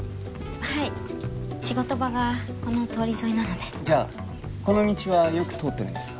はい仕事場がこの通り沿いなのでじゃあこの道はよく通ってるんですか？